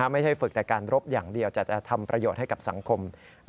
ฝึกแต่การรบอย่างเดียวจะทำประโยชน์ให้กับสังคม